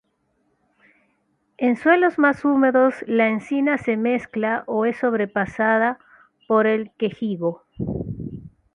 En suelos más húmedos la encina se mezcla o es sobrepasada por el quejigo.